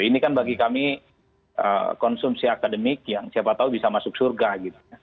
ini kan bagi kami konsumsi akademik yang siapa tahu bisa masuk surga gitu